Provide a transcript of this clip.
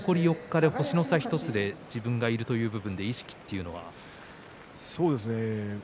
星の差１つで、自分がいるという部分の意識というのは。